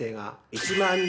１万人？